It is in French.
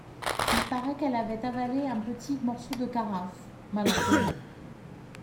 Il paraît qu’elle avait avalé un petit morceau de carafe… mal enterré.